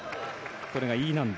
これがＥ難度。